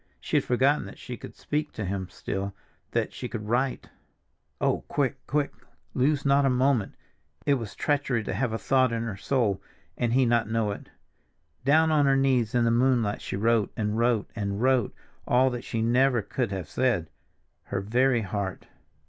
She had forgotten that she could speak to him still, that she could write. Oh, quick, quick, lose not a moment; it was treachery to have a thought in her soul and he not know it! Down on her knees in the moonlight she wrote, and wrote, and wrote, all that she never could have said—her very heart.